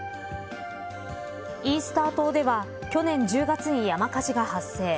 イースター島では去年１０月に山火事が発生。